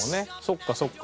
そっかそっか。